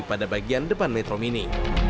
pada bagian depan metro mini